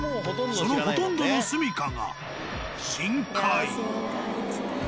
そのほとんどの棲みかが。